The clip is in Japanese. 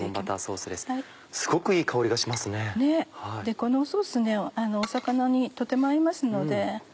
このソース魚にとても合いますので。